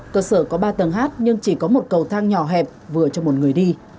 cơ sở có ba tầng hát nhưng chỉ có một cầu thang nhỏ hẹp vừa cho một người đi